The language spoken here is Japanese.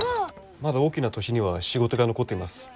まだ大きな都市には仕事が残っています。